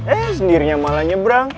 eh sendirinya malah nyebrang